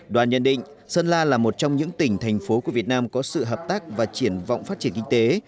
đoàn nhận định sơn la là một trong những tỉnh thành phố của việt nam có sự hợp tác và triển vọng phát triển kinh tế